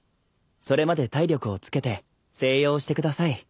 それまで体力をつけて静養してください。